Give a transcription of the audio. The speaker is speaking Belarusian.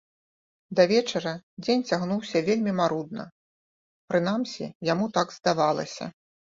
Да вечара дзень цягнуўся вельмі марудна, прынамсі, яму так здавалася.